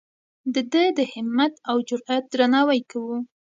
د ده د همت او جرئت درناوی کوو.